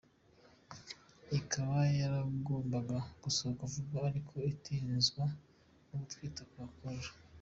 Ikaba yaragombaga gusohoka vuba ariko itinzwa no gutwita kwa Carla.